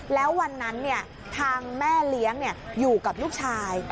แล้ววันนั้นทางแม่เลี้ยงอยู่กับลูกชาย